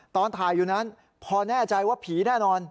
ตอนถ่ายอยู่นั้นพอแน่ใจว่าผีแน่นอน